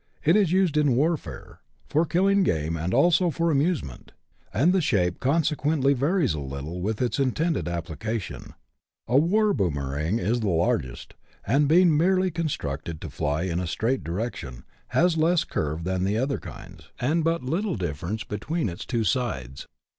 It is used in warfare, for killing game, and also for amusement ; and the shape consequently varies a little with its intended application : a war boomering is the largest, and being merely constructed to fly in a straight direction, has less curve than the other kinds, and but little diflference between its two sides.